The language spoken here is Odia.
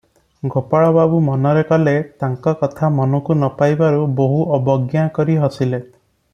ଗୋପାଳବାବୁ ମନରେ କଲେ, ତାଙ୍କ କଥା ମନକୁ ନ ପାଇବାରୁ ବୋହୂ ଅବଜ୍ଞା କରି ହସିଲେ ।